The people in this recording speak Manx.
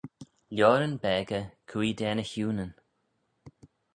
Lioaryn beggey cooie da ny h-Ewnyn.